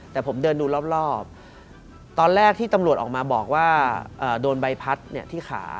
แต่ผมเดินดูรอบตอนแรกที่ตำรวจออกมาบอกว่าโดนใบพัดที่ขา